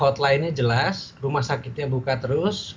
hotline nya jelas rumah sakitnya buka terus